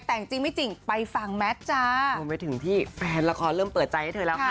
แต่งจริงไม่จริงไปฟังแมทจ้ารวมไปถึงที่แฟนละครเริ่มเปิดใจให้เธอแล้วค่ะ